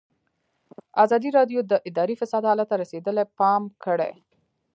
ازادي راډیو د اداري فساد حالت ته رسېدلي پام کړی.